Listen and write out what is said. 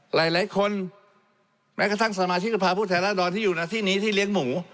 หลายคนแม้กระทั่งสมาชิกสภาพผู้แทนราษฎรที่อยู่ในที่นี้ที่เลี้ยงหมู